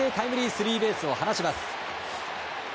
スリーベースを放ちます。